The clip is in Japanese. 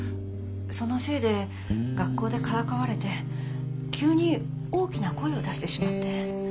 そのせいで学校でからかわれて急に大きな声を出してしまって。